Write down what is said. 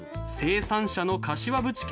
生産者の柏淵